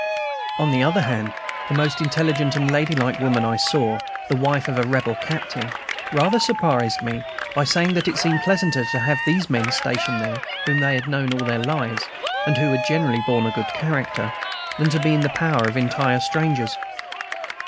On the other hand, the most intelligent and lady like woman I saw, the wife of a Rebel captain, rather surprised me by saying that it seemed pleasanter to have these men stationed there, whom they had known all their lives, and who had generally borne a good character, than to be in the power of entire strangers.